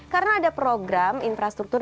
karena ada program infrastruktur